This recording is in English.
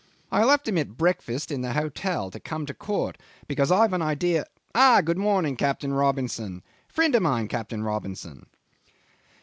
I left him at breakfast in the hotel to come to court, because I've an idea. ... Ah! Good morning, Captain Robinson. ... Friend of mine, Captain Robinson."